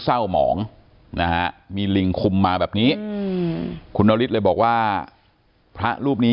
เศร้าหมองนะฮะมีลิงคุมมาแบบนี้คุณนฤทธิ์เลยบอกว่าพระรูปนี้